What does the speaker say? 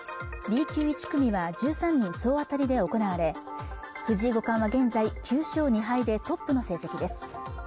Ｂ級１組は１３人総当たりで行われ藤井五冠は現在９勝２敗でトップの成績です